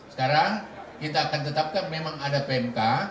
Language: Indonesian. sekarang kita akan tetapkan memang ada pmk